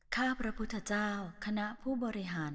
ข้าพระพุทธเจ้าคณะผู้บริหาร